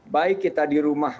baik kita di rumah